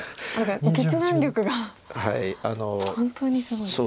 決断力が本当にすごいですよね。